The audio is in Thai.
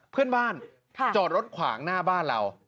เพื่อนบ้านจอดรถขวางหน้าบ้านเรา